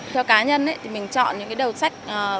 theo cá nhân thì mình chọn những cái đầu sách